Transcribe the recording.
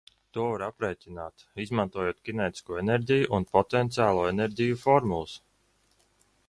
To var aprēķināt, izmantojot kinētisko enerģiju un potenciālo enerģiju formulas: